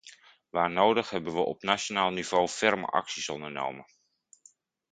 Waar nodig hebben we op nationaal niveau ferme acties ondernomen.